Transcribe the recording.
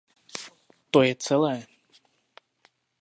To je celé...